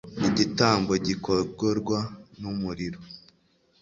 igitambo gikongorwa n'umuriro